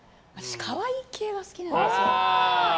可愛い系が好きなんですよ。